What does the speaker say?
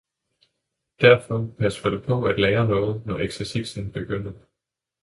derfor pas vel på at lære noget, når eksercitsen begynder!